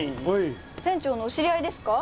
店長のお知り合いですか？